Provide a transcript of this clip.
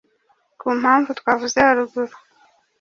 ku impamvu twavuze haruguru